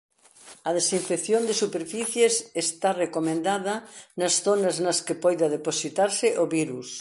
A desinfección de superficies está recomendada nas zonas nas que poida depositarse o virus.